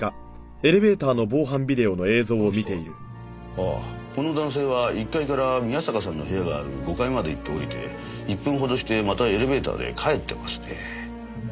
ああこの男性は１階から宮坂さんの部屋がある５階まで行って降りて１分ほどしてまたエレベーターで帰ってますねぇ。